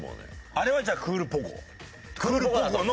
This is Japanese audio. あれはじゃあクールポコ。？